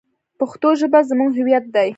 پښتو ژبه زموږ هویت دی.